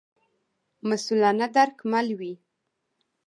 مسوولانه درک مل وي.